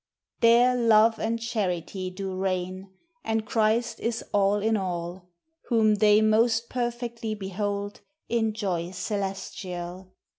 There love and charity do reign, And Christ is all in all, Whom they most perfectly behold In joy celestial.